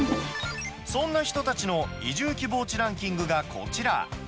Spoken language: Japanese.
そんな人たちの移住希望地ランキングがこちら。